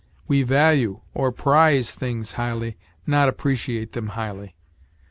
We value, or prize, things highly, not appreciate them highly.